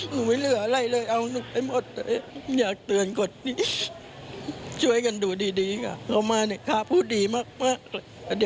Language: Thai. หนูไม่เหลืออะไรเลยเอาหนูไปหมดเลยอยากเตือนกฎนี้ช่วยกันดูดีก่อนเขามาเนี่ยค่ะพูดดีมากเลยเดี๋ยวเนี้ย